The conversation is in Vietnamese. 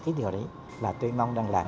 cái điều đấy và tôi mong rằng là